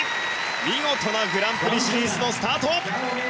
見事なグランプリシリーズのスタート！